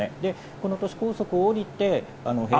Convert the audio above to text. この都市高速を降りて。